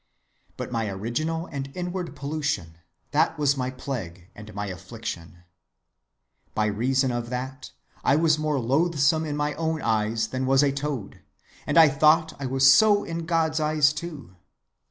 "But my original and inward pollution, that was my plague and my affliction. By reason of that, I was more loathsome in my own eyes than was a toad; and I thought I was so in God's eyes too.